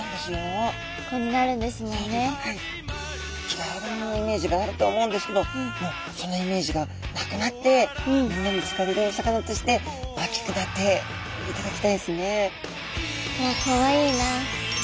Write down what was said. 嫌われ者のイメージがあるとは思うんですけどもうそのイメージがなくなってみんなに好かれるお魚として大きくなっていただきたいですね。